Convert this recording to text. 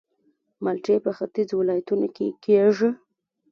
مالټې په ختیځو ولایتونو کې کیږي